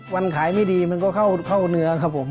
วันขายไม่ดีมันก็เข้าเนื้อครับผม